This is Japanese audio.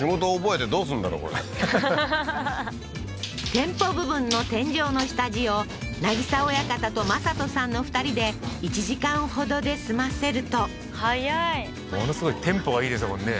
店舗部分の天井の下地を渚親方と魔裟斗さんの２人で１時間ほどで済ませると早いものすごいテンポがいいですもんね